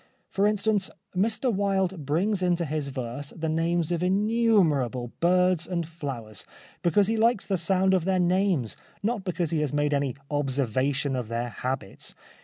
For instance, Mr Wilde brings into his verse the names of innumerable birds and flowers, because he likes the sound of their names, not because he has made any observa tion of their habits.